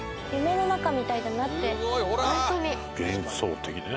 幻想的ね。